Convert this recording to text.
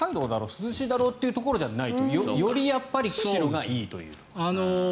涼しいだろうというところじゃないより釧路がいいという。